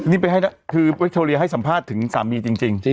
นี่ไปให้นะคือโชเลียให้สัมภาษณ์ถึงสามีจริง